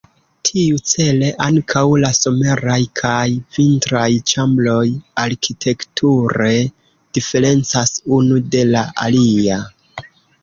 Tiu-cele ankaŭ la someraj kaj vintraj ĉambroj arkitekture diferencas unu de la alia.